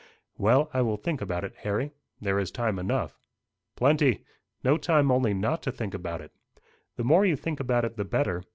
'" "Well, I will think about it, Harry. There is time enough." "Plenty. No time only not to think about it. The more you think about it the better.